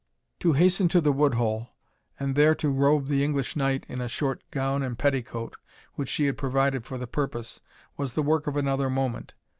To hasten to the wood hole, and there to robe the English knight in a short gown and petticoat, which she had provided for the purpose, was the work of another moment.